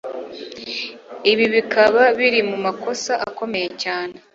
ibi bikaba biri mumakosa akomeye cyane